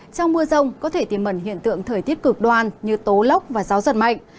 trong mưa rông có thể tìm mần hiện tượng thời tiết cực đoan như tố lóc và gió giật mạnh